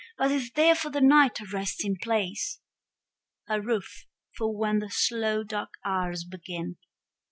But is there for the night a resting place? A roof for when the slow dark hours begin.